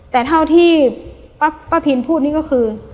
แต่เท่าที่ป้าพินพูดนี่ก็คือ